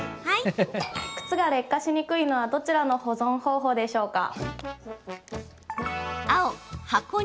靴が劣化しにくいのはどちらの保存方法でしょうか。